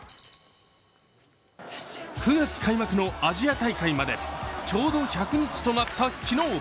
９月開幕のアジア大会までちょうど１００日となった昨日。